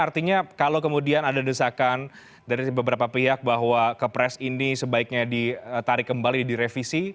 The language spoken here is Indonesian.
artinya kalau kemudian ada desakan dari beberapa pihak bahwa kepres ini sebaiknya ditarik kembali direvisi